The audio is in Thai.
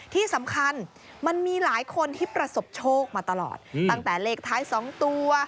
ที่สำคัญมันมีหลายคนที่ประสบโชคมาตลอดตั้งแต่เลขท้าย๒ตัว